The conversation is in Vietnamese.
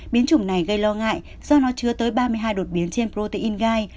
biến chủng này gây lo ngại do nó chứa tới ba mươi hai đột biến trên protein gai